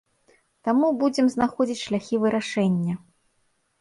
Таму будзем знаходзіць шляхі вырашэння.